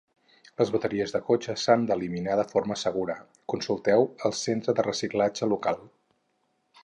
Les bateries de cotxe s'han d'eliminar de forma segura, consulteu el centre de reciclatge local.